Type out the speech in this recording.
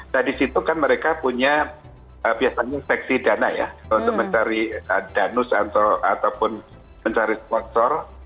nah di situ kan mereka punya biasanya seksi dana ya untuk mencari danus ataupun mencari sponsor